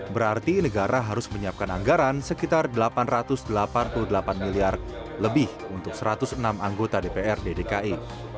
berarti negara harus menyiapkan anggaran sekitar delapan ratus delapan puluh delapan miliar lebih untuk satu ratus enam anggota dprd dki